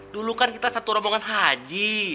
dulu kan kita satu rombongan haji